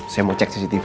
saya mau cek cctv